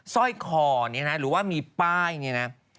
สร้อยคอนี้หรือว่ามีป้ายนี้